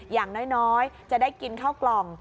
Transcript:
อย่างน้อยจะได้กินข้าวกล่อง